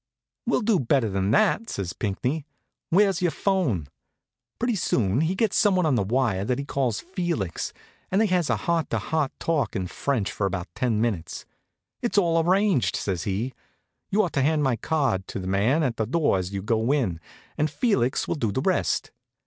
"We'll do better than that?" says Pinckney. "Where's your 'phone?" Pretty soon he gets some one on the wire that he calls Felix, and they has a heart to heart talk in French for about ten minutes. "It's all arranged," says he. "You are to hand my card to the man at the door as you go in, and Felix will do the rest.